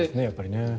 やっぱりね。